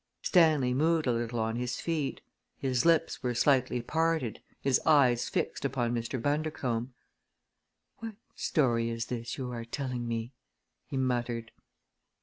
Stanley moved a little on his feet. His lips were slightly parted, his eyes fixed upon Mr. Bundercombe. "What story is this you are telling me?" he muttered.